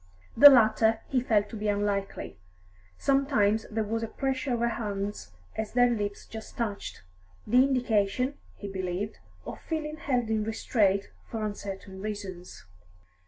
The latter he felt to be unlikely; sometimes there was a pressure of her hands as their lips just touched, the indication, he believed, of feeling held in restraint for uncertain reasons.